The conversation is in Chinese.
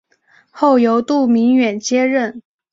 后由杜明远接任。